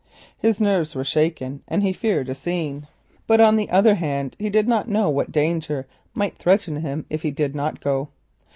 His nerves were shaken and he feared a scene, but on the other hand he did not know what danger might threaten him if he refused to go.